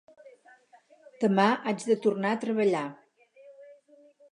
Demà haig de tornar a treballar